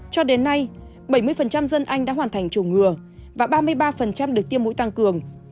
cho đến nay bảy mươi dân anh đã hoàn thành chủ ngừa và ba mươi ba được tiêm mũi tăng cường